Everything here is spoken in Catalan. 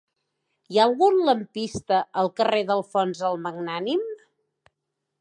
Hi ha algun lampista al carrer d'Alfons el Magnànim?